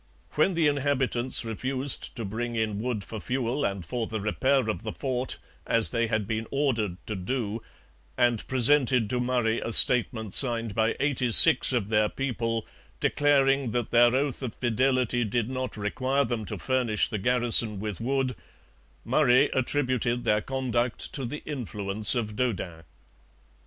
When the inhabitants refused to bring in wood for fuel and for the repair of the fort, as they had been ordered to do, and presented to Murray a statement signed by eighty six of their people, declaring that their oath of fidelity did not require them to furnish the garrison with wood, Murray attributed their conduct to the influence of Daudin.